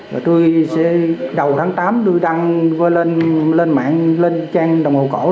rồi tôi sẽ đầu tháng tám tôi đăng lên mạng lên trang đồng hồ cổ đó tôi bán